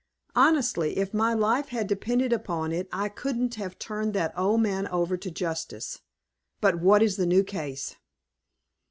Honestly, if my life had depended upon it, I couldn't have turned that old man over to justice; but what is the new case?"